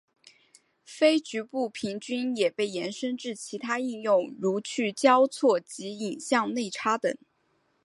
非局部平均也被延伸至其他应用如去交错及影像内插等。